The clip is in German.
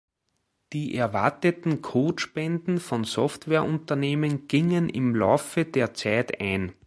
Die erwarteten Code-Spenden von Software-Unternehmen gingen im Laufe der Zeit ein.